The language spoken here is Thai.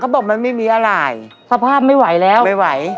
บอกมันไม่มีอะไรสภาพไม่ไหวแล้วไม่ไหว